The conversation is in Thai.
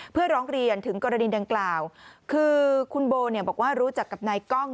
เพื่อร้องเรียนถึงกรณีดังกล่าวคือคุณโบเนี่ยบอกว่ารู้จักกับนายกล้อง